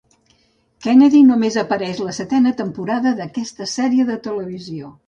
Kennedy només apareix a la setena temporada d'aquesta sèrie de televisió.